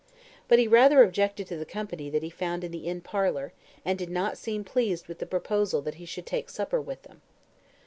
But he rather objected to the company that he found in the inn parlour, and did not seem pleased with the proposal that he should take supper with them.